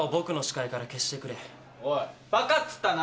おいバカつったな？